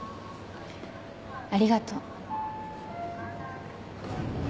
ありがとう。